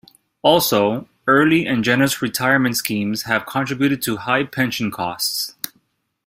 Also, early and generous retirement schemes have contributed to high pension costs.